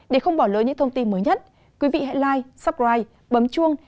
để không bỏ lỡ những thông tin mới nhất quý vị hãy like subscribe bấm chuông